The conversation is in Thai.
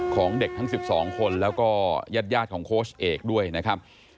ของเด็กทั้ง๑๒คนแล้วก็ญาติของโค้ชเอกด้วยนะครับ